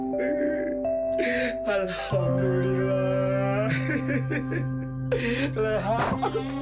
masa abis langkah dua pada jam dua